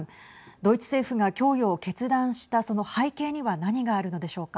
ドイツ政府が供与を決断したその背景には何があるのでしょうか。